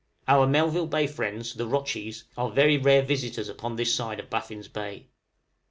Our Melville Bay friends, the rotchies, are very rare visitors upon this side of Baffin's Bay.